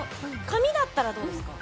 紙だったらどうですか？